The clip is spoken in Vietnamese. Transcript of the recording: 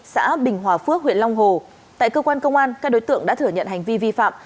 xã bình hòa phước huyện long hồ tại cơ quan công an các đối tượng đã thừa nhận hành vi vi phạm